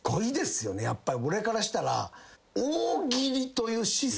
やっぱり俺からしたら。